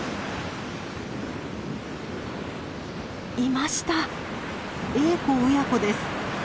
いましたエーコ親子です。